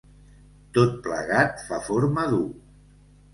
Tot plegat fa forma d'u.